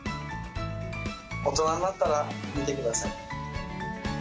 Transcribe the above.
大人になったら見てください。